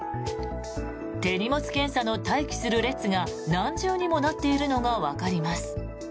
手荷物検査の待機する列が何重にもなっているのがわかります。